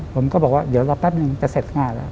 ผมก็บอกว่าเดี๋ยวรอแป๊บนึงจะเสร็จงานแล้ว